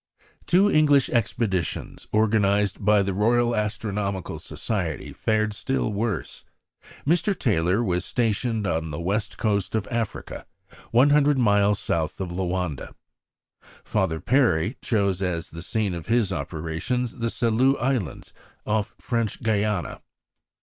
Two English expeditions organized by the Royal Astronomical Society fared still worse. Mr. Taylor was stationed on the West Coast of Africa, one hundred miles south of Loanda; Father Perry chose as the scene of his operations the Salut Islands, off French Guiana.